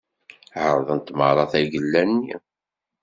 Ԑerḍen merra tagella-nni.